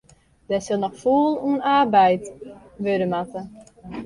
Dêr sil noch fûl oan arbeide wurde moatte.